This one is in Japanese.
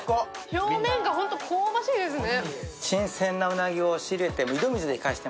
表面が本当に香ばしいですね。